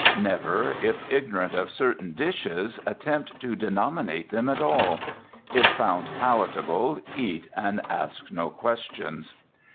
Never, if ignorant of certain dishes, attempt to denominate them at all. If found palatable, eat and ask no questions.